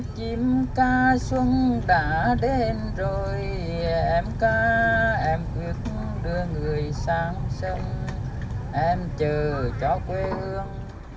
chim ca xuân đã đến rồi em ca em ước đưa người sang sân em chờ cho quê hương